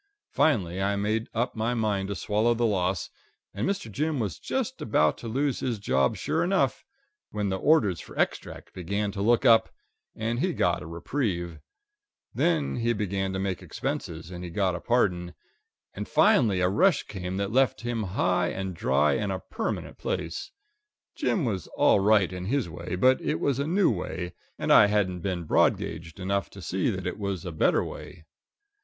Finally, I made up my mind to swallow the loss, and Mister Jim was just about to lose his job sure enough, when the orders for Extract began to look up, and he got a reprieve; then he began to make expenses, and he got a pardon; and finally a rush came that left him high and dry in a permanent place. Jim was all right in his way, but it was a new way, and I hadn't been broad gauged enough to see that it was a better way.